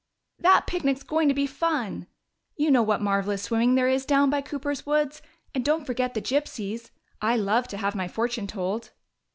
"That picnic's going to be fun! You know what marvelous swimming there is down by Cooper's woods. And don't forget the gypsies! I love to have my fortune told."